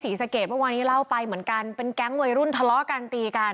ศรีสะเกดเมื่อวานนี้เล่าไปเหมือนกันเป็นแก๊งวัยรุ่นทะเลาะกันตีกัน